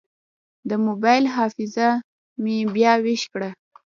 د موبایل حافظه مې بیا ویش کړه.